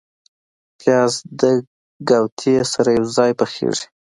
پیاز د ګاوتې سره یو ځای پخیږي